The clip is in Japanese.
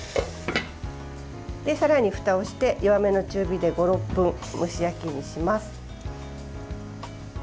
さらに、ふたをして弱めの中火で５６分蒸し焼きにします。